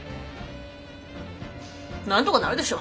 なんとかなるでしょ！